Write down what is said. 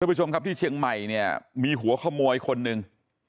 ผู้ชมครับที่เชียงใหม่เนี่ยมีหัวขโมยคนหนึ่ง